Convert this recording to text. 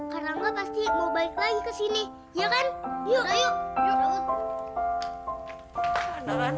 karangga pasti mau balik lagi kesini